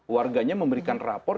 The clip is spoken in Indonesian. warganya memberikan rapor